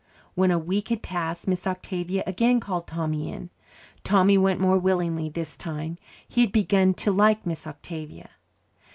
When a week had passed, Miss Octavia again called Tommy in; Tommy went more willingly this time. He had begun to like Miss Octavia.